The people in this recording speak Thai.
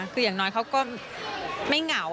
คืออย่างน้อยเขาก็ไม่เหงา